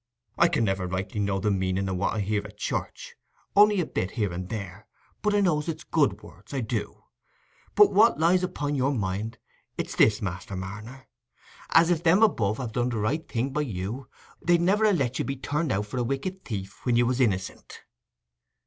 I can never rightly know the meaning o' what I hear at church, only a bit here and there, but I know it's good words—I do. But what lies upo' your mind—it's this, Master Marner: as, if Them above had done the right thing by you, They'd never ha' let you be turned out for a wicked thief when you was innicent."